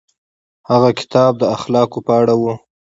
هغه کتاب د اخلاقو په اړه و.